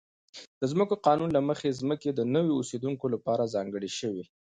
د ځمکو قانون له مخې ځمکې د نویو اوسېدونکو لپاره ځانګړې شوې.